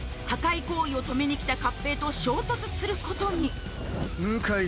破壊行為を止めに来た勝平と衝突することに無戒